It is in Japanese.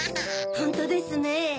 ホントですね。